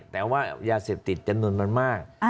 แต่ว่ายาเสพติดจำนวนมันมาก